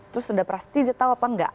terus udah pasti dia tau apa nggak